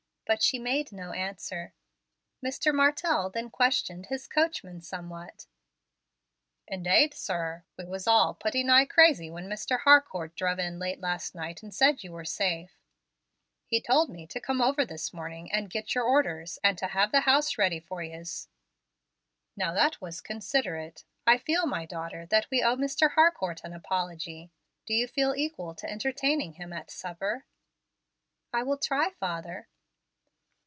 But she made no answer. Mr. Martell then questioned his coachman somewhat. "Indade, sir, we was all putty nigh crazy when Mr. Harcourt druv in late last night and said you were safe. He told me to come over this morning and get your orders, and to have the house ready for yez." "Now that was considerate. I feel, my daughter, that we owe Mr. Harcourt an apology. Do you feel equal to entertaining him at supper?" "I will try, father."